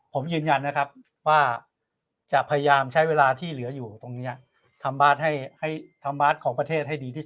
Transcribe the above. ผมยืนยันนะครับว่าจะพยายามใช้เวลาที่เหลืออยู่ตรงนี้ทำบาร์ดให้ทำบาร์ดของประเทศให้ดีที่สุด